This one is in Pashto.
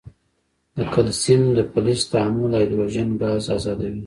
د کلسیم د فلز تعامل هایدروجن ګاز آزادوي.